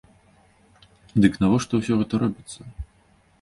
Дык навошта ўсё гэта робіцца?